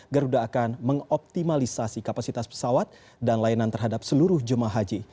garuda akan mengoptimalisasi kapasitas pesawat dan layanan terhadap seluruh jemaah haji